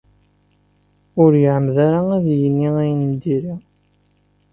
Ur iɛemmed ara ad yini ayen n diri.